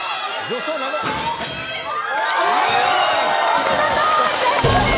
お見事、成功です。